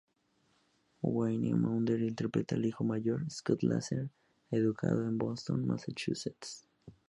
Wayne Maunder interpretaba al hijo mayor, Scott Lancer, educado en Boston, Massachusetts.